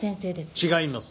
違います。